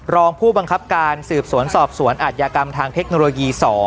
รองผู้บังคับการสืบสวนสอบสวนอาทยากรรมทางเทคโนโลยี๒